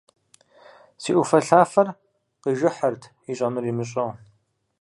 Си Ӏуфэлъафэр къижыхьырт, ищӀэнур имыщӀэу.